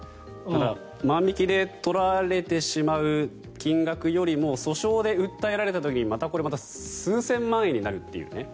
万引きで取られてしまう金額よりも訴訟で訴えられた時に数千万円になるっていうね